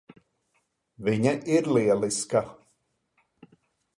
Viņa ir lieliska.